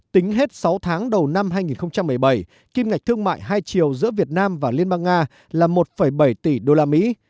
tính hết sáu tháng đầu năm hai nghìn một mươi bảy kim ngạch thương mại hai triều giữa việt nam và liên bang nga là một bảy tỷ usd